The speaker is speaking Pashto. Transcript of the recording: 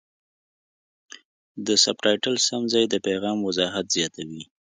د سبټایټل سم ځای د پیغام وضاحت زیاتوي.